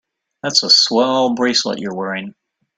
That's a swell bracelet you're wearing.